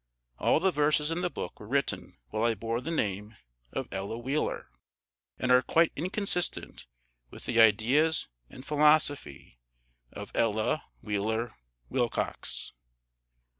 All the verses in the book were written while I bore the name of Ella Wheeler, and are quite inconsistent with the ideas and philosophy of ELLA WHEELER WILCOX.